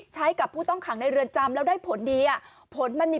ใช้กับผู้ต้องขังในเรือนจำแล้วได้ผลดีอ่ะผลมันมี